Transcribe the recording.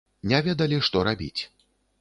Не ведалі, што рабіць.